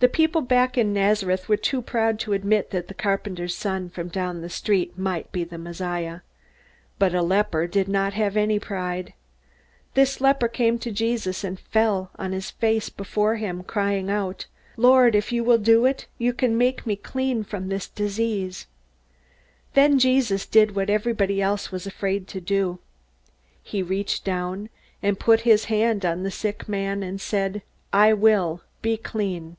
The people back in Nazareth were too proud to admit that the carpenter's son from down the street might be the Messiah. But a leper did not have any pride. This leper came to Jesus, and fell on his face before him, crying out, "Lord, if you will do it, you can make me clean from this disease!" Then Jesus did what everybody else was afraid to do. He reached down and put his hand on the sick man, and said: "I will. Be clean."